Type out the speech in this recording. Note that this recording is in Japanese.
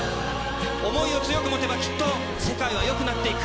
想いを強く持てば、きっと世界はよくなっていく。